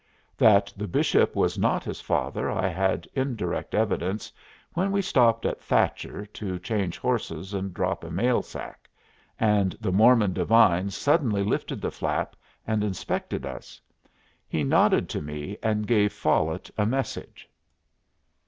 That the Bishop was not his father I had indirect evidence when we stopped at Thacher to change horses and drop a mail sack, and the Mormon divine suddenly lifted the flap and inspected us. He nodded to me and gave Follet a message.